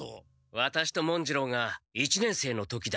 ワタシと文次郎が一年生の時だ。